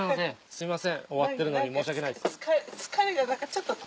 すいません終わってるのに申し訳ないです。